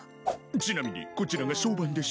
ちなみにこちらが総番です。